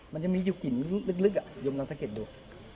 มันยังมีอยู่กลิ่นลึกอ่ะยมลองสะเก็ดดู